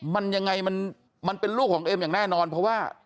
มันยังไงมันเป็นลูกของเอมอย่างแน่นอนเพราะว่า